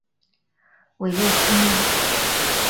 韦洛斯内。